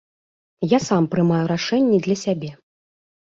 Я сам прымаю рашэнні для сябе.